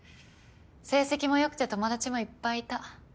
成績も良くて友達もいっぱいいた。